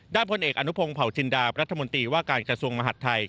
ด้านผู้เอกอนุพงศ์เผาจินดาประธมนตรีว่าการกระทรวงมหัฒน์ไทย